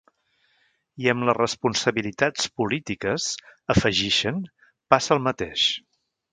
I amb les responsabilitats polítiques, afegixen, “passa el mateix”.